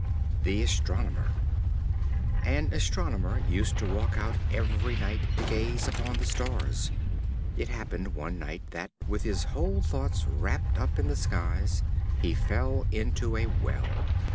The Astronomer. An Astronomer used to walk out every night to gaze upon the stars. It happened one night that, with his whole thoughts rapt up in the skies, he fell into a well.